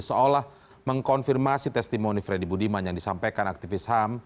seolah mengkonfirmasi testimoni freddy budiman yang disampaikan aktivis ham